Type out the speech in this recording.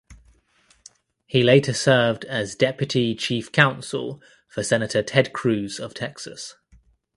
He later served as Deputy Chief Counsel for Senator Ted Cruz of Texas.